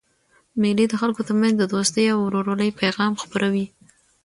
مېلې د خلکو ترمنځ د دوستۍ او ورورولۍ پیغام خپروي.